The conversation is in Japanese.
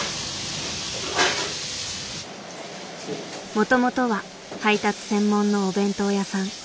もともとは配達専門のお弁当屋さん。